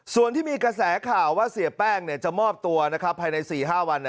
ส่วนที่มีกระแสข่าวว่าเสียแป้งจะมอบตัวภายใน๔๕วัน